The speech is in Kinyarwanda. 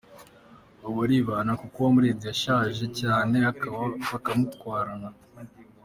Ubu aribana kuko uwamureze yashaje cyane abana be bakamutwara.